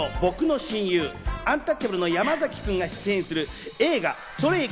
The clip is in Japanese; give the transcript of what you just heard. いよいよ僕の親友・アンタッチャブルの山崎君が出演する映画『それいけ！